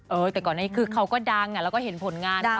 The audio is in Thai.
แต่ก่อนนี้คือเขาก็ดังแล้วก็เห็นผลงานนะ